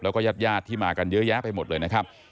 แล้วก็ญาติญาติที่มากันเยอะแยะไปหมดเลยนะครับ